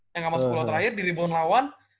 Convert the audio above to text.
yang gak masuk bola terakhir di rebound lawan